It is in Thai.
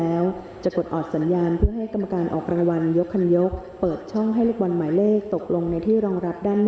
เลขที่ออก๕๓๓๕๓๓ฟังอีกครั้งนะคะรางวัลเล็กหน้าสามตัวครั้งที่สอง